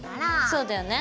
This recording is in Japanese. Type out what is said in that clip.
そうだよね。